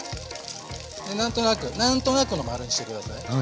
で何となく何となくの丸にしてください。